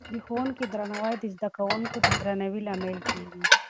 د ښوونکې درناوی د زده کوونکو د درناوي لامل دی.